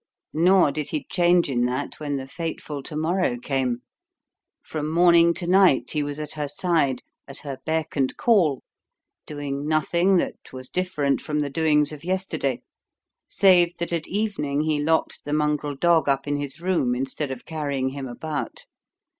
Nor did he change in that when the fateful to morrow came. From morning to night he was at her side, at her beck and call, doing nothing that was different from the doings of yesterday, save that at evening he locked the mongrel dog up in his room instead of carrying him about.